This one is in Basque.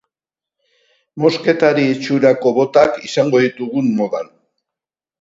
Mosketari itxurako botak izango ditugun modan.